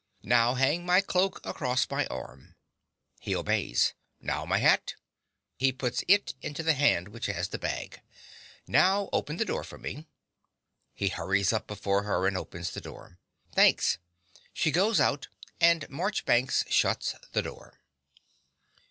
Now hang my cloak across my arm. (He obeys.) Now my hat. (He puts it into the hand which has the bag.) Now open the door for me. (He hurries up before her and opens the door.) Thanks. (She goes out; and Marchbanks shuts the door.)